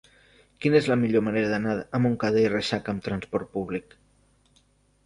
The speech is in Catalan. Quina és la millor manera d'anar a Montcada i Reixac amb trasport públic?